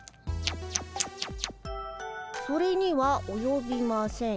「それにはおよびません。